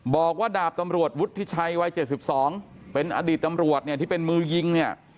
บอกว่าดาบตำรวจวุฒิชัยวัย๗๒เป็นอดีตตำรวจเนี่ยที่เป็นมือยิงเนี่ย